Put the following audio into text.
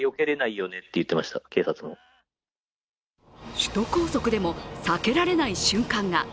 首都高速でも避けられない瞬間が。